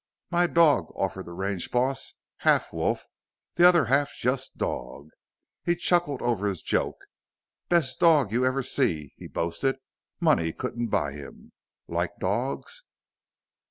"My dog," offered the range boss. "Half wolf, the other half just dog." He chuckled over his joke. "Best dog you ever see," he boasted; "money couldn't buy him. Like dogs?"